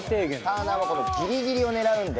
ターナーはこのギリギリを狙うんで。